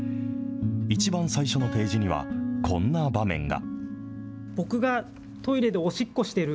一番最初のページには、こんな場面が。